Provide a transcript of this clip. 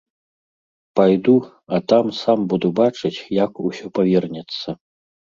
Пайду, а там сам буду бачыць, як усё павернецца.